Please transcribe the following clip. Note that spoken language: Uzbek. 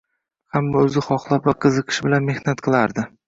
Hamma o‘zi xohlab va qiziqish bilan mehnat qilardi.